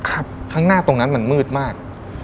ข้างหน้าตรงนั้นมันมืดมาก